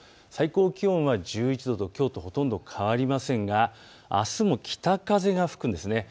最高気温は１１度ときょうとほとんど変わりませんがあすも北風が吹くんです。